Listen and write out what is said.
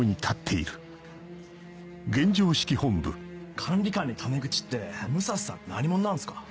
管理官にため口って武蔵さんって何者なんすか？